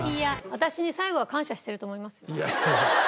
私に最後は感謝してると思いますよ。感謝。